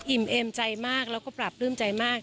เอมใจมากแล้วก็ปราบปลื้มใจมาก